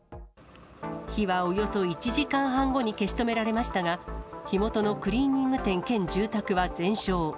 火はおよそ１時間半後に消し止められましたが、火元のクリーニング店兼住宅は全焼。